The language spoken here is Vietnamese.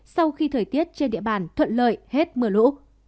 sau khi thời tiết trên địa bàn thuận lợi hết mưa lũ